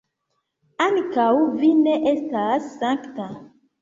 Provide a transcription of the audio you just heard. Ankaŭ vi ne estas sankta.